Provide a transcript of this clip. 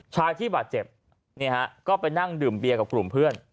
ชายที่บาดเจ็บก็ไปนั่งดื่มเบียร์กับกลุ่มเพื่อน